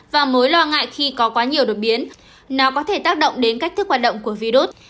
và mối lo ngại khi có quá nhiều đột biến nó có thể tác động đến cách thức hoạt động của virus